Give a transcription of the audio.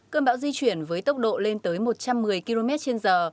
cơn bão di chuyển với tốc độ lên tới một trăm một mươi km trên giờ